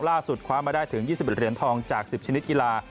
ล่าสุดคว้ามาได้ถึง๒๑เหรียญทองจาก๑๐ชนิดกีฬา